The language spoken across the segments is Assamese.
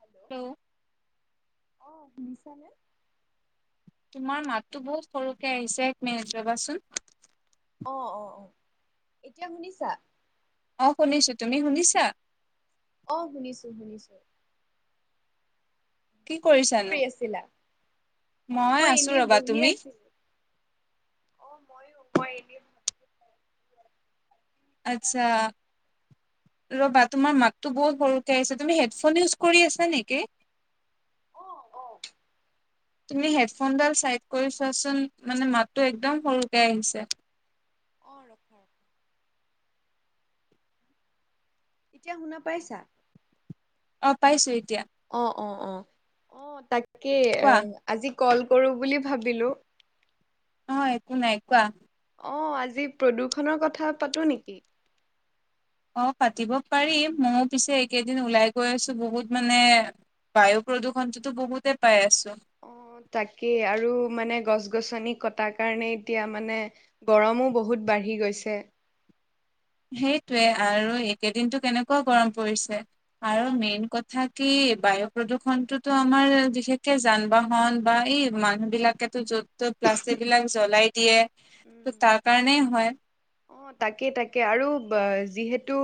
হেল্ল' ত [inaudible] অ শুনিছানে? তোমাৰ মাততো বহুত সৰুকে আহিছে, এক মিনিট ৰবাচোন! অ অ অ, এতিয়া শুনিছা? অ শুনিছো, তুমি শুনিছা? অ শুনিছো শুনিছো। কি কৰি আছিলা? অ মই আছো এনেই ৰবা বহি তুমি আছিলো। অ মইও, মই এদিন আচ্ছা। ৰ'বা! তোমাৰ মাততো বহুত সৰুকে আহিছে। তুমি হেডফোন ইউজ কৰি আছা নেকি?। অ অ তুমি হেডফোনডাল চাইড কৰি চোৱাচোন মানে মাতটো একদম সৰুকে আহিছে। অঁ', ৰখা-ৰখা। এতিয়া শুনা পাইছা? অ', পাইছো এতিয়া। অ অ অ, অ তাকেই এ কোৱা আজি কল কৰো বুলি ভাবিলো? অ একো নাই কোৱা? অ, আজি প্ৰদূষণৰ কথা পাতো নেকি? অ পাতিব পাৰিম, ময়ো পিছে এইকেইদিন ওলাই গৈ আছো বহুত মানে বায়ু প্ৰদূষণটোতো বহুতে পাই আছো। অ তাকেই আৰু মানে গছ - গছনি কটাৰ কাৰণে এতিয়া মানে গৰমো বহুত বাঢ়ি গৈছে। সেইটোৱে আৰু এই কেইদিনটো কেনেকুৱা গৰম পৰিছে অ আৰু মেইন কথা থাকি বায়ু প্ৰদূষণটোতো আমাৰ বিশেষকে যান বাহন বা এই মানুহ বিলাকেতো যত তত প্লাষ্টিক বিলাক জ্বলাই দিয়ে উম ত' তাৰ কাৰণেই হয় অ তাকে তাকে আৰু বা যিহেতু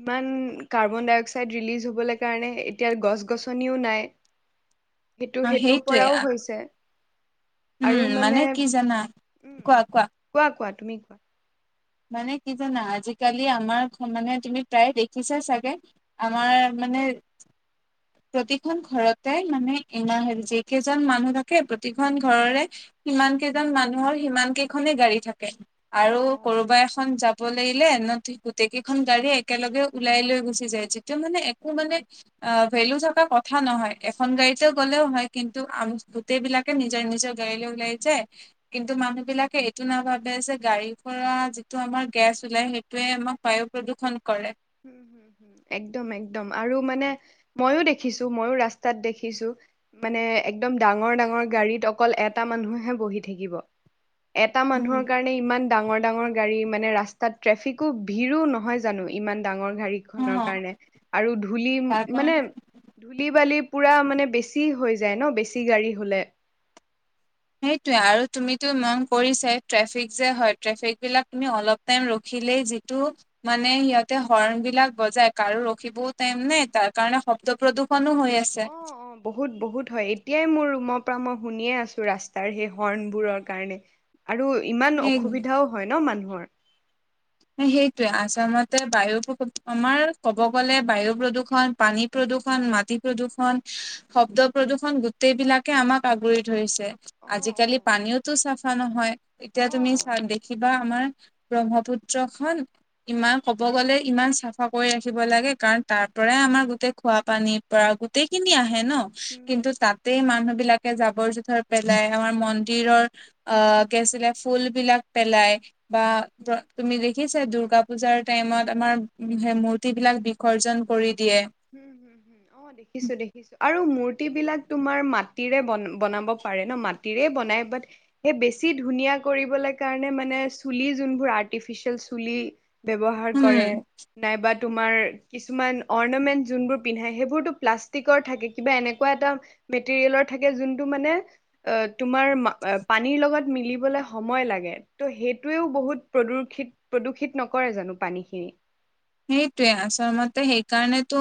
ইমান কাৰ্বন- ডাই- অক্সাইড ৰিলিজ হ'বলে কাৰণে এতিয়া গছ গছনিও নাই [unintelligible] এইটো সেইটোৰ সেইটোৱে পৰাও হৈছে আৰু উম মানে কি জানা উম উম কোৱা কোৱা তুমি কোৱা মানে কি জানা আজিকালি আমাৰ মানে তুমি প্ৰায় দেখিছাই চাগে আমাৰ মানে প্ৰতিখন ঘৰতে মানে এনে হেৰি যি কেইজন মানুহ থাকে প্ৰতিখন ঘৰৰে সিমান কেইজন মানুহৰ সিমান কেইখনে গাড়ী থাকে অ আৰু অ কোনোবা এখন যাব লাগিলে ন গোটেই কেইখন গাড়ী একেলগে ওলাই লৈ গুচি যায় যিটো মানে একো মানে অ ভেলু থকা কথা নহয় এখন গাড়ীতেও গ'লেও হয় কিন্তু আমি গোটেইবিলাকে নিজৰ নিজৰ গাড়ী লৈ ওলাই যায় হুম কিন্তু হুম মানুহ বিলাকে এইটো নাভাবে যে গাড়ী পৰা যিটো আমাৰ গেছ ওলাই সেইটোৱে আমাক বায়ু প্ৰদূষণ কৰে উম হুম হুম একদম একদম আৰু মানে মইয়ো দেখিছো মইয়ো ৰাস্তাত দেখিছো মানে একদম ডাঙৰ ডাঙৰ গাড়ীত অকল এটা মানুহহে বহি থাকিব এটা মানুহৰ উম। কাৰণে ইমান ডাঙৰ ডাঙৰ গাড়ী মানে ৰাস্তাত ট্ৰেফিকো ভিৰো নহয় জানো ইমান ডাঙৰ গাড়ী অ খনৰ কাৰণে আৰু ধূলি তাৰ কাৰণ মানে ধূলি বালি পুৰা মানে বেছি হৈ যায় ন বেছি গাড়ী হলে সেইটোৱে আৰু তুমিতো মন কৰিছাই ট্ৰেফিক যে হয় ট্ৰেফিক বিলাক তুমি অলপ টাইম ৰখিলেই যিটো মানে সিহঁতে হৰ্ণ বিলাক বজাই কাৰো ৰখিবও টাইম নাই তাৰ কাৰণে শব্দ প্ৰদূষণো হৈ আছে অ আছে অ বহুত বহুত হয় এতিয়াই মোৰ ৰুমৰ পৰা মই শুনিয়ে আছো ৰাস্তাৰ সেই হৰ্ণবোৰৰ কাৰণে আৰু ইমান সেই অসুবিধাও হয় ন মানুহৰ সেইটোৱে আচামতে বায়ু প্ৰদূষণ আমাৰ ক'ব গ'লে বায়ু প্ৰদূষণ পানী প্ৰদূষণ মাটি প্ৰদূষণ শব্দ প্ৰদূষণ গোটেইবিলাকে আমাক আগুৰি ধৰিছে অ অ আজিকালি পানীওতো চাফা নহয় এতিয়া অ তুমি চা দেখিবা আমাৰ ব্ৰহ্মপুত্ৰ পুত্ৰখন ইমান ক'ব গ'লে ইমান চাফা কৰি ৰাখিব লাগে কাৰণ তাৰ পৰাই আমাৰ গোটেই খোৱা পানীৰ পৰা গোটেই খিনি আহে ন হম কিন্তু হম তাত গোটেই মানুহ বিলাকে জাবৰ জোথৰ পেলাই আমাৰ মন্দিৰৰ আ কি আছিলে ফুল বিলাক পেলাই বা হম হম তুমি দেখিছা দূৰ্গা পূজাৰ টাইমত আমাৰ সেই মূৰ্তি বিলাক বিসৰ্জন কৰি দিয়ে উম হুম হুম অ দেখিছো দেখিছো আৰু মূৰ্তি বিলাক তোমাৰ মাটিৰে বন বনাব পাৰে ন মাটিৰে বনাই বাত সেই বেছি ধুনীয়া কৰিবলে কাৰণে মানে চুলি যোনবোৰ আৰ্টিফিচিয়েল চুলি ব্যৱহাৰ উম কৰে নাইবা তোমাৰ কিছুমান অৰ্ণমেন্ট যোনবোৰ পিন্ধাই সেইবোৰতো প্লাষ্টিকৰ থাকে কিবা এনেকুৱা এটা মেটেৰিয়েলৰ থাকে যোনটো মানে অ তোমাৰ পানীৰ লগত মিলিবলে সময় লাগে ত সেইটোৱেও বহুত প্ৰদূষিত প্ৰদূষিত নকৰে জানো পানী খিনি সেইটোয়ে আচামতে সেইকাৰণেতো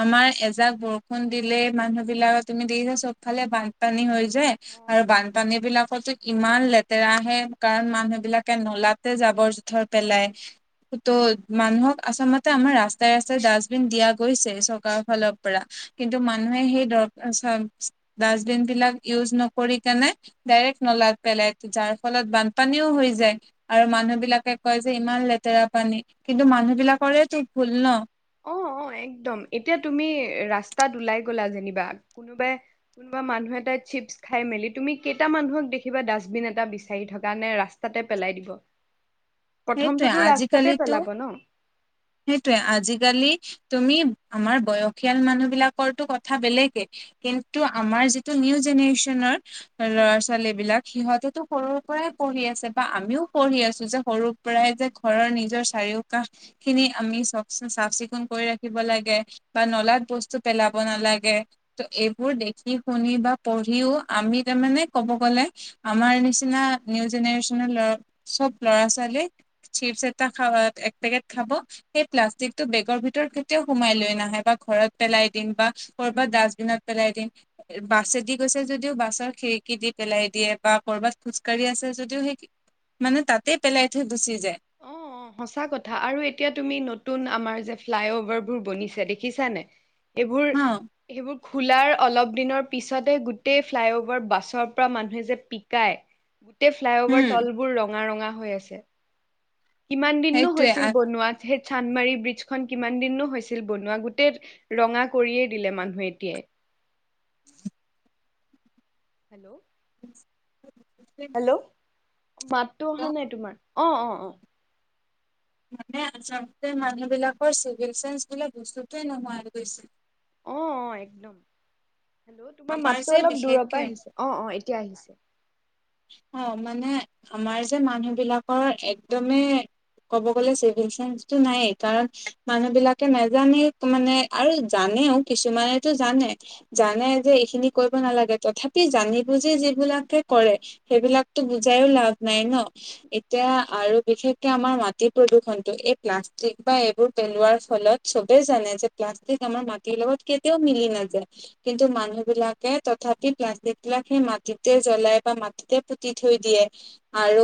আমাৰ এজাক বৰষুণ দিলে মানুহ বিলাক তুমি দেখিছা চব ফালে বানপানী হৈ যায়। অ আৰু বানপানী বিলাকত যে- ইমান লেতেৰা আহে। কাৰণ মানুহ বিলাকে নলাতে জাবৰ জোথৰ পেলায়। তো মানুহক প্ৰথমতে আমাৰ ৰাস্তাই ৰাস্তাই ডাষ্টবিন দিয়া গৈছেই, চৰকাৰৰ ফালৰ পৰা। কিন্তু মানুহে সেই ড চ ডাষ্টবিন বিলাক ইউজ নকৰি কেনে ডাইৰেক্ট নলাত পেলাই, যাৰ ফলত বানপানীও হৈ যায়। আৰু মানুহ বিলাকে কয় যে ইমান লেতেৰা পানী, কিন্তু মানুহ বিলাকৰেই তু ভুল ন। অঁ অঁ একদম। এতিয়া তুমি ৰাস্তাত ওলাই গ'লা যেনিবা। কোনোবাই কোনোবা মানুহে তাই চিপছ খাই মেলি, তুমি কেইটা মানুহক দেখিবা ডাষ্টবিন এটা বিচাৰি থকা নে ৰাস তাতে পেলাই দিব। সেইটোৱেই প্ৰথমটোতো ৰাস্তাতে আজিকালিটো পেলাব ন সেইটোয়ে আজিকালি তুমি আমাৰ বয়সীয়াল মানুহ বিলাকৰটো কথা বেলেগে। কিন্তু আমাৰ যিটো নিউ জেনেৰেশচনৰ ল'ৰা- ছোৱাল ছোৱালী বিলাক সিহঁতেতো সৰুৰ পৰাই পঢ়ি আছে বা আমিও পঢ়ি আছো যে সৰু পৰাই যে ঘৰৰ নিজৰ চাৰিওকাষ খিনি আমি চক চাফ - চিকুণ কৰি ৰাখিব লাগে বা নলাত বস্তু পেলাব নালাগে। ত এইবোৰ দেখি শুনি বা পঢ়িও আমি তাৰমানে কব গ'লে আমাৰ নিচিনা নিউ জেনেৰেচনৰ চব ল'ৰা ছোৱালীক চিপছ এটা খাৱাত একপেকেট খাব সেই প্লাষ্টিকটো বেগৰ ভিতৰত কেতিয়াও সোমাই লৈ নাহে, বা ঘৰত পেলাই দিম বা ক'ৰবাত ডাষ্টবিনত পেলাই দিম। বাছেদি গৈছে যদিও, বাছৰ খিৰিকী দি পেলাই দিয়ে। বা কৰ'বাত খোজকাঢ়ি আছে যদিও সেই মানে তাতেই পেলাই থৈ গুচি যায়। অ অ সঁচা কথা আৰু এতিয়া তুমি নতুন আমাৰ যে ফ্লাই অভাৰ বোৰ বনিছে দেখিছা নাই? এইবোৰ হা সেইবোৰ খোলাৰ অলপ দিনৰ পিছতে গোটেই ফ্লাইঅভাৰ বাছৰ পৰা মানুহে যে পিকায়। গোটেই ফ্লাই অভাৰ উম তলবোৰ ৰঙা ৰঙা হৈ আছে। কিমান দিনো সেইটোৱে হৈছিল বনোৱা? সেই চান্দমাৰী ব্ৰিজখন কিমান দিননো হৈছিল বনোৱা গোটেই ৰঙা কৰিয়ে দিলে মানুহে এতিয়ায়। হেল্ল' [unintelligible] উ [inaudible] হেল্ল' মাতটো অহা নাই তোমাৰ। অঁ অঁ অঁ। মানে আচলতে মানুহবিলাকৰ চিভিক চেন্স বুলা বস্তুতোৱে নোহোৱা গৈছে। অ অ একদম। তোমাৰ আমাৰ যে মাতটো অলপ দূৰৰ বিশেষকে পৰা আহিছে অ অ এতিয়া আহিছে। অঁ, মানে আমাৰ যে মানুহ বিলাকৰ একদমেই ক'ব গ'লে চিভিক চেন্সটো নায়েই। কাৰণ মানুহ বিলাকে নাজানেই মানে আৰু জানেও কিছুমানেটো জানে। জানে যে এইখিনি কৰিব নালাগে। তথাপি জানি বুজি যিবিলাকে কৰে সেইবিলাকটো বুজাইও লাভ নাই ন। এতিয়া আৰু বিশেষকে আমাৰ মাটি প্ৰদূ্ষনটো এই প্লাষ্টিক বা এইবোৰ পেলোৱাৰ ফলত চবেই জানে যে প্লাষ্টিক আমাৰ মাটিৰ লগত কেতিয়াও মিলি নাযায়। কিন্তু মানুহ বিলাকে, তথাপি প্লাষ্টিক বিলাক সেই মাটিতে জ্বলাই বা মা তে পুতি থৈ দিয়ে আৰু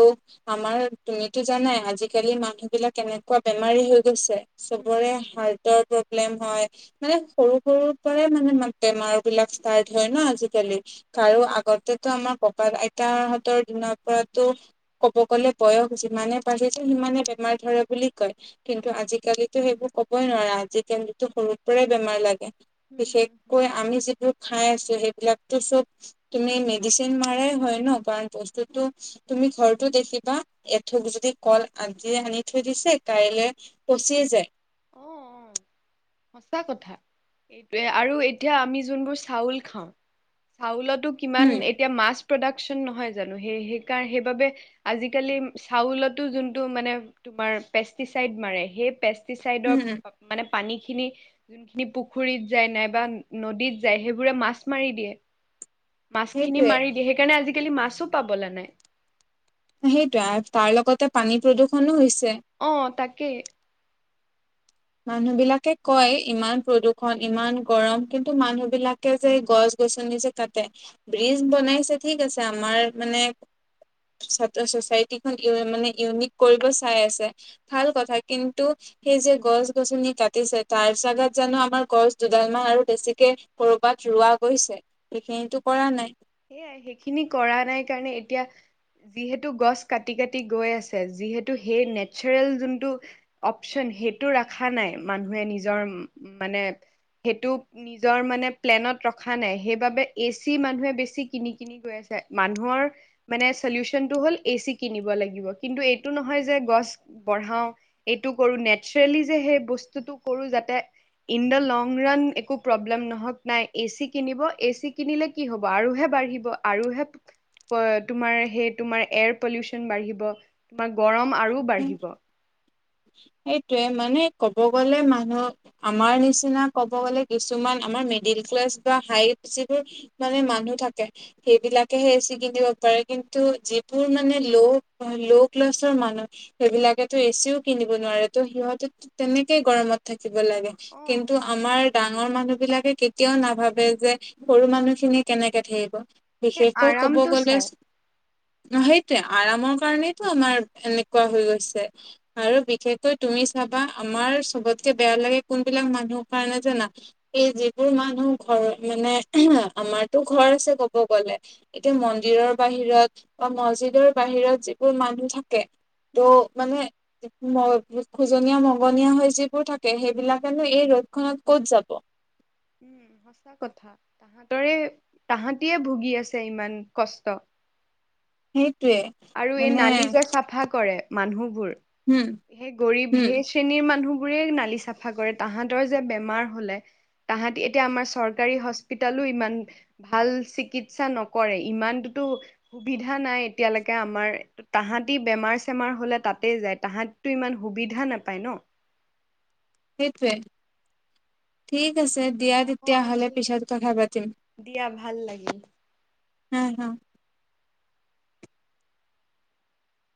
আমাৰ তুমিতো জানাই আজিকালি মানুহ বিলাক কেনেকুৱা বেমাৰী হৈ গৈছে। উম চবৰে হুম হাৰ্টৰ প্ৰব্লেম হয় মানে সৰু সৰু পৰাই মানে বেমাৰ বিলাক ষ্টাৰ্ট হয় ন আজিকালি হুম আৰু হুম আগতেটো আমাৰ ককা আইতাহঁতৰ দিনৰ পৰাতো ক'ব গ'লে বয়স যিমানে বাঢ়িছে সিমানে বেমাৰ ধৰে বুলি কয় কিন্তু আজিকালিতো সেইবোৰ কবই নোৱাৰা আজি কালিটো সৰুৰ পৰাই বেমাৰ লাগে হুম হুম হুম। বিশেষকৈ আমি যিটো খাই আছো সেইবিলাকতো চব তুমি মেডিচিন মাৰাই হয় ন কাৰণ বস্তুটো তুমি ঘৰতো দেখিবা এঠোক যদি কল আজিয়ে আনি থৈ দিছে কাইলে পচিয়ে যায় অ সঁচা কথা এইটোয়ে আৰু এতিয়া আমি যোনবোৰ চাউল খাওঁ চাউলতো কিমান উম এতিয়া মাছ প্ৰডাকচন নহয় জানো সে সেইকাৰণে সেইবাবে আজিকালি চাউলতো যোনটো মানে তোমাৰ পেষ্টিচাইড মাৰে সেই পেষ্টিচাইডৰ উম মানে পানী খিনি যোনখিনি পুখুৰীত যায় নাইবা নদীত যায় সেইবোৰে মাছ মাৰি দিয়ে মাছখিনি সেইটোয়ে মাৰি দিয়ে সেইকাৰণে আজিকালি মাছো পাবলে নাই অ', সেইটোয়ে তাৰ লগতে পানী প্ৰদূৰ্ষনো হৈছে অ' তাকেই মানুহ বিলাকে কয় ইমান প্ৰদূৰ্ষন ইমান গৰম কিন্তু মানুহ বিলাকে যে এই গছ গছনি যে কাটে ব্ৰিজ বনাইছে ঠিক আছে আমাৰ মানে ছচাইটি খন মানে ইউনিক কৰিব চাই আছে ভাল কথা কিন্তু সেই যে গছ গছনি কাটিছে তাৰ জাগাত জানো আমাৰ গছ দুডালমাহ আৰু বেছিকে কৰবাত ৰোৱা গৈছে সেইখিনিতো কৰা নাই এয়াই সেইখিনি কৰা নাই কাৰণে এতিয়া যিহেতু গছ কাটি কাটি গৈ আছে যিহেতু সেই নেচাৰেল যোনটো অপচন সেইটো ৰখা নাই মানুহে নিজৰ মানে সেইটো নিজৰ মানে প্লেনত ৰখা নাই সেইবাবে এচি মানুহে বেছি বেছি কিনি কিনি গৈ আছে মানুহৰ মানে চলিউচনটো হল এচি কিনিব লাগিব কিন্তু এইটো নহয় যে গছ বঢ়াও এইটো কৰো নেচাৰেলি যে সেই বস্তুটো কৰো যাতে ইন দ্য লং ৰান একো প্ৰব্লেম নহওক নাই এ চি কিনিব এ চি কিনিলে কি হ'ব আৰুহে বাঢ়িব আৰুহে তোমাৰ সেই তোমাৰ এয়াৰ পলিউচন বাঢ়িব তোমাৰ গৰম আৰু বাঢ়িব সেইটোয়ে মানে ক'ব গলে মানুহক আমাৰ নিচিনা ক'ব গ'লে কিছুমান আমাৰ মিডিল ক্লাছ বা হাই যিবোৰ মানে মানুহ থাকে সেইবিলাকেহে এছি কিনিব পাৰে কিন্তু যিবোৰ মানে ল' ল' ক্লাছৰ মানুহ সেইবিলাকেতো এচিও কিনিব নোৱাৰে ত' সিহঁত তেনেকে গৰমত থাকিব লাগে অ কিন্তু আমাৰ ডাঙৰ মানুহ বিলাকে কেতিয়াও নাভাবে যে সৰু মানুহ খিনি কেনেকে থাকিব সেই বিশেষকৈ কব আৰামটো গলে চাই সেইটোৱে আৰামৰ কাৰনেটো আমাৰ এনে কোৱা হৈ গৈছে আৰু বিশেষকৈ তুমি চাবা আমাৰ চবতকে বেয়া লাগে কোনবিলাক মানুহৰ কাৰণে জানা এই যিবোৰ মানুহ ঘৰ মানে আমাৰতো ঘৰ আছে কব গ'লে এতিয়া মন্দিৰৰ বাহিৰত বা মছজিদৰ বাহিৰত যিবোৰ মানুহ থাকে ত উম মানে [unintelligible] খোজনীয়া মগনীয়া হৈ যিবোৰ থাকে সেইবিলাকেনো এই ৰ'দ খনত ক'ত যাব উম সঁচা কথা তাহতৰে তাহাঁতিয়ে ভুগি আছে ইমান কষ্ট। সেইটোৱে আৰু এই মানে নালি যে চাফা কৰে মানুহবোৰ হম সেই গৰীব হম সেজ শ্ৰেণীৰ মানুহ বোৰে নালি চাফা কৰে তাহাঁতৰ যে বেমাৰ হ'লে তাহাঁতি এতিয়া আমাৰ চৰকাৰী হস্পিতেলো ইমান ভাল চিকিৎসা নকৰে ইমানটোতো সুবিধা নাই এতিয়ালৈকে। কে আমাৰ তাহাঁতি বেমাৰ চেমাৰ হ'লে তাতেই যায় তাহাঁতিটো ইমান সুবিধা নাপায় ন সেইটোৱে ঠিক আছে দিয়া তেতিয় অ হ'লে ঠিক পিছত আছে কথা পাতিম দিয়া ভাল লাগিল হ হ।